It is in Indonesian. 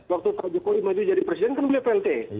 waktu pak jokowi menjadi presiden kan beliau plt